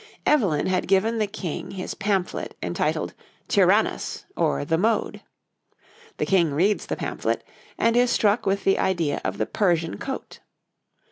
Evelyn had given the King his pamphlet entitled 'Tyrannus, or the Mode.' The King reads the pamphlet, and is struck with the idea of the Persian coat.